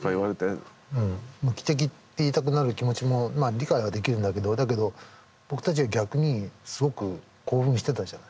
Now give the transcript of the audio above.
無機的って言いたくなる気持ちもまあ理解はできるんだけどだけど僕たちは逆にすごく興奮してたじゃない。